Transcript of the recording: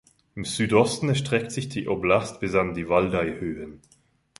Im Südosten erstreckt sich die Oblast bis an die Waldaihöhen.